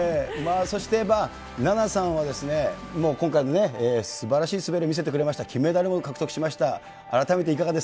そして、菜那さんはもう今回、すばらしい滑り見せてくれました、メダルも獲得しました。